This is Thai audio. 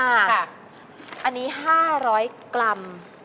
อันนี้๕๐๐กรัม